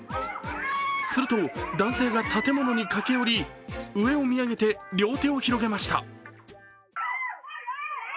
すると男性が建物に駆け寄り上を見上げて両手を広げました。